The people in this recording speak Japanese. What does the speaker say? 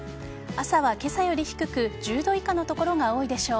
朝は今朝より低く１０度以下の所が多いでしょう。